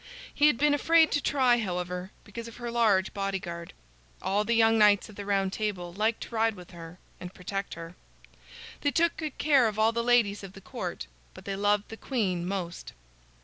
He had been afraid to try, however, because of her large bodyguard. All the young knights of the Round Table liked to ride with her and protect her. They took good care of all the ladies of the Court, but they loved the queen most.